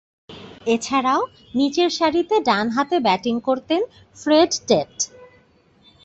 এছাড়াও, নিচেরসারিতে ডানহাতে ব্যাটিং করতেন ফ্রেড টেট।